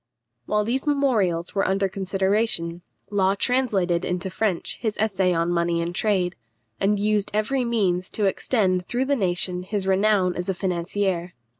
While these memorials were under consideration, Law translated into French his essay on money and trade, and used every means to extend through the nation his renown as a financier.